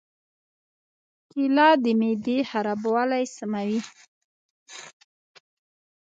کېله د معدې خرابوالی سموي.